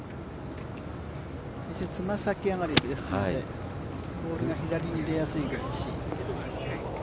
爪先上がりですのでボールが左に出やすいですし。